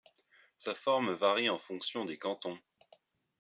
Sa forme varie en fonction des cantons.